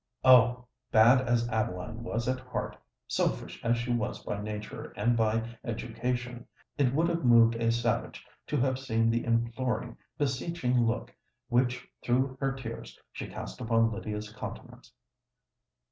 Oh! bad as Adeline was at heart—selfish as she was by nature and by education,—it would have moved a savage to have seen the imploring, beseeching look which, through her tears, she cast upon Lydia's countenance.